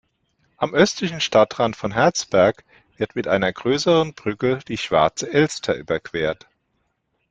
Am östlichen Stadtrand von Herzberg wird mit einer größeren Brücke die Schwarze Elster überquert.